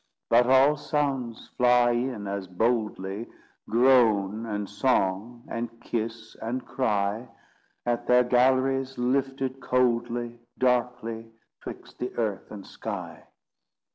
But all sounds fly in as boldly, Groan and song, and kiss and cry At their galleries, lifted coldly, Darkly, 'twixt the earth and sky.